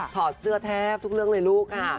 ถอดเสื้อแทบทุกเรื่องเลยลูกค่ะ